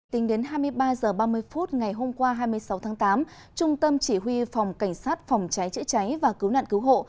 tính đến hai mươi ba h ba mươi phút ngày hôm qua hai mươi sáu tháng tám trung tâm chỉ huy phòng cảnh sát phòng cháy chữa cháy và cứu nạn cứu hộ